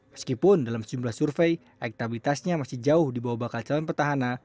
meskipun dalam sejumlah survei aktabilitasnya masih jauh dibawah bakal calon petahana